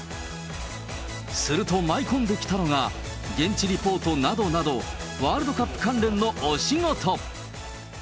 すると、舞い込んできたのが現地リポートなどなど、ワールドカップ関連のお仕事。